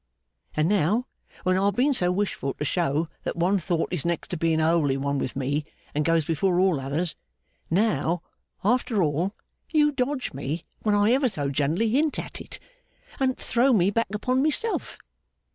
And now, when I've been so wishful to show that one thought is next to being a holy one with me and goes before all others now, after all, you dodge me when I ever so gently hint at it, and throw me back upon myself.